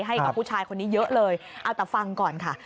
ให้กับผู้ชายคนนี้เยอะเลยเอาแต่ฟังก่อนค่ะ